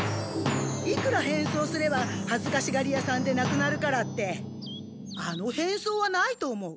いくら変装すればはずかしがりやさんでなくなるからってあの変装はないと思う。